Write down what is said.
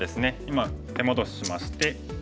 今手戻ししまして。